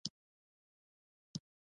په ای خانم کې د اوبو نلونه وو